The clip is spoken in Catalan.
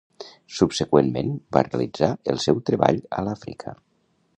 Subseqüentment, va realitzar el seu treball a l'Àfrica.